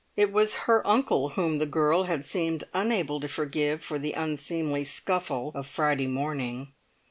It was her uncle whom the girl had seemed unable to forgive for the unseemly scuffle of Friday morning.